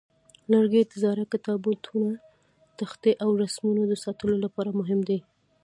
لرګي د زاړه کتابتونه، تختې، او رسمونو د ساتلو لپاره مهم دي.